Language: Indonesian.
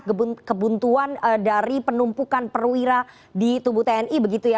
kebuntuan dari penumpukan perwira di tubuh tni begitu ya